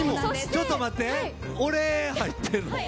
ちょっと待って俺入ってるの。